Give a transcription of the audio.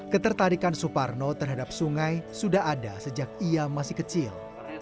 ketertarikan suparno terhadap sungai sudah ada sejak ia masih kecil